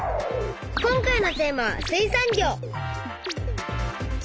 今回のテーマは「水産業」。